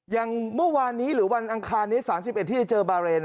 อย่างเมื่อวานนี้หรือวันอังคารนี้๓๑ที่จะเจอบาเรน